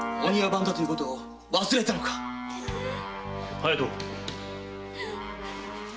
隼人！